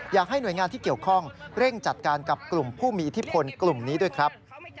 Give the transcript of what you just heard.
อยากให้หน่วยงานที่เกี่ยวข้องเร่งจัดการกับกลุ่มผู้มีอิทธิพลกลุ่มนี้ด้วยครับ